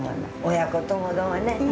親子ともどもね。